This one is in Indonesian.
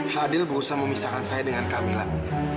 fadil berusaha memisahkan saya dengan kamilah